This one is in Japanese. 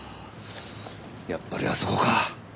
やっぱりあそこか。